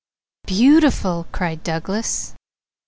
"Beautiful!" cried Douglas.